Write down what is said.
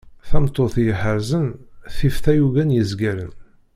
tameṭṭut i iḥerrzen tif tayuga n yezgaren.